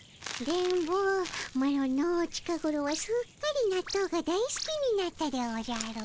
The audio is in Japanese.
電ボマロの近ごろはすっかり納豆が大すきになったでおじゃる。